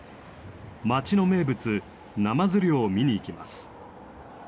町の名物ナマズ漁を見に行きます。